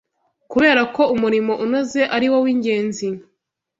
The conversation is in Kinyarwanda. Kubera ko umurimo unoze ari wo w’ingenzi